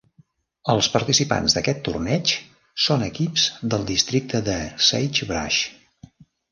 Els participants d'aquest torneig són equips del districte de Sagebrush.